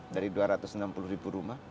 dari dua ratus enam puluh ribu rumah